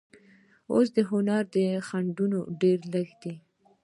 اوس د هنر خنډونه ډېر لږ دي.